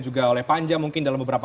juga oleh panja mungkin dalam beberapa